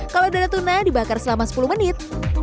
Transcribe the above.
kalau dana tuna dibakar selama sepuluh menit